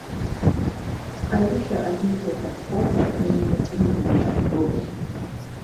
Alicia admitted that all her friends were into water polo.